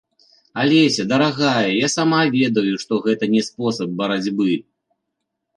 Алеся, дарагая, я сама ведаю, што гэта не спосаб барацьбы!